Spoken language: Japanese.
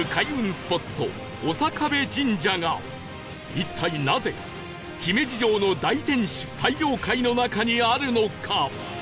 一体なぜ姫路城の大天守最上階の中にあるのか？